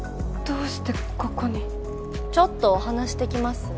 どうしてここにちょっとお話できます？